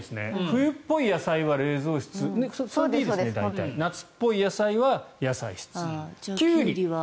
冬っぽい野菜は冷蔵室夏っぽい野菜は野菜室。